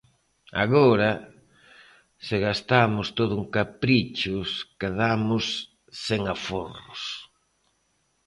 Agora, se gastamos todo en caprichos quedamos sen aforros.